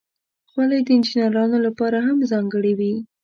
خولۍ د انجینرانو لپاره هم ځانګړې وي.